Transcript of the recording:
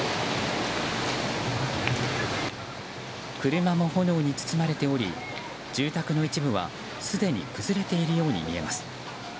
車も炎に包まれており住宅の一部はすでに崩れているように見えます。